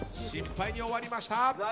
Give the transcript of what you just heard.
失敗に終わりました。